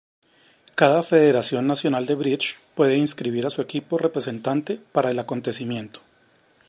Cada federación nacional de bridge puede inscribir a su equipo representante para el acontecimiento.